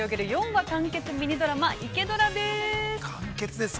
４話完結ミニドラマ「イケドラ」です。